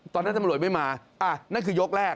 ตำรวจไม่มานั่นคือยกแรก